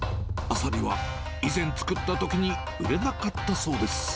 アサリは、以前作ったときに売れなかったそうです。